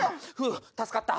助かった。